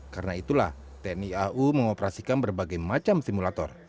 karena itulah tni au mengoperasikan berbagai macam simulator